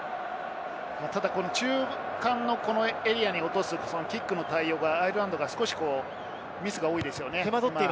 ただ、この中間のエリアで落とすキックの対応がアイルランドは少しミスが多いですよね。